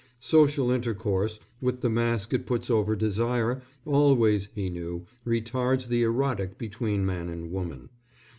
Social intercourse, with the mask it puts over desire, always, he knew, retards the erotic between man and woman.